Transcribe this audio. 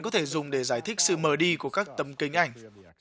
các hiệu ứng có thể dùng để giải thích sự mờ đi của các tâm kinh ảnh